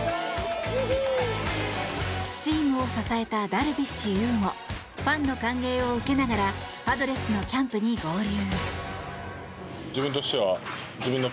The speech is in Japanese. チームを支えたダルビッシュ有もファンの歓迎を受けながらパドレスのキャンプに合流。